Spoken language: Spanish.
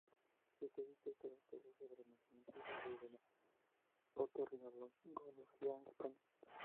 Su tesis doctoral versó sobre el "nacimiento y desarrollo de la otorrinolaringología en España".